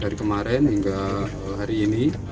dari kemarin hingga hari ini